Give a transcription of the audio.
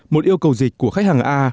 một yêu cầu dịch của khách hàng a